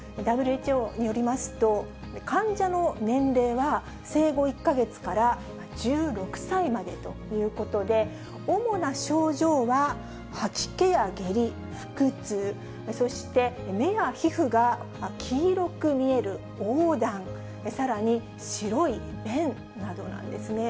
ＷＨＯによりますと、患者の年齢は生後１か月から１６歳までということで、主な症状は吐き気や下痢、腹痛、そして目や皮膚が黄色く見えるおうだん、さらに白い便などなんですね。